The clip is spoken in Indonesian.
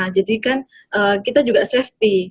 jadi kan kita juga safety